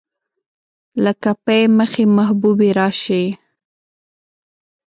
لکه پۍ مخې محبوبې راشي